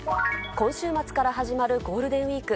今週末から始まるゴールデンウィーク。